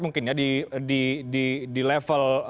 mungkin ya di level